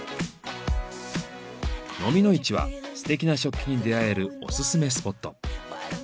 のみの市はすてきな食器に出会えるオススメスポット。